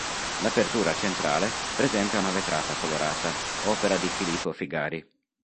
L'apertura centrale presenta una vetrata colorata, opera di Filippo Figari.